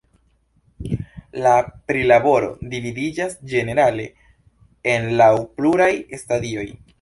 La prilaboro dividiĝas ĝenerale en laŭ pluraj stadioj.